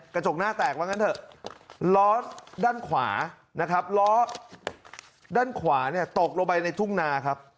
กระจกหน้าแตกว่างั้นเถอะล้อด้านขวานะครับล้อด้านขวาเนี่ยตกลงไปในทุ่งนาครับ